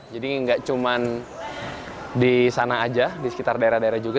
nggak cuma di sana aja di sekitar daerah daerah juga